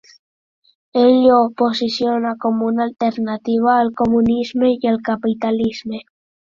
Ell ho posicionà com a una alternativa al comunisme i al capitalisme.